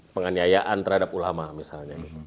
penganiayaan terhadap ulama misalnya